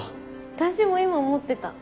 私も今思ってた。